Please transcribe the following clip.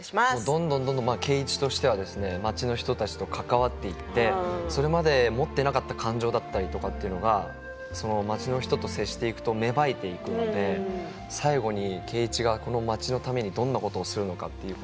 どんどんどんどん圭一としては町の人たちと関わっていってそれまでは持ってなかった感情があるというのが、町の人と接していくと芽生えていくので最後に圭一がこの町のためにどんなことするのか。